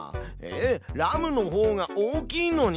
ラムのほうが大きいのに！